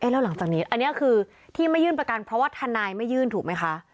แล้วหลังจากนี้อันนี้คือที่ไม่ยื่นประกันเพราะว่าทนายไม่ยื่นถูกไหมคะ